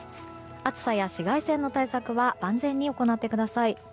暑さや紫外線対策は万全に行ってください。